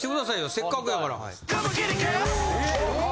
せっかくやから。